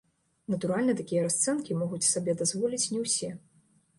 Натуральна, такія расцэнкі могуць сабе дазволіць не ўсе.